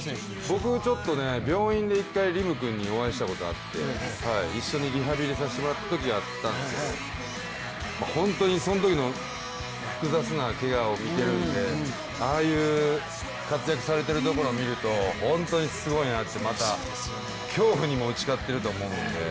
僕、病院で１回輪夢君にお会いしたことがあって、一緒にリハビリさせてもらったときがあったんですけど本当にそのときの複雑なけがを見てるんで、ああいう活躍されているところを見ると本当にすごいなと、恐怖にも打ち勝っていると思うので。